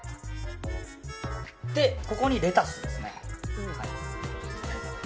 ここにレタスですね。